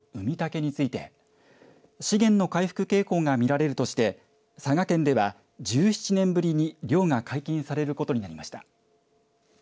生息数の激減で休漁が続く有明海特産の二枚貝ウミタケについて資源の回復傾向が見られるとして佐賀県では１７年ぶりに漁が解禁されることになりました。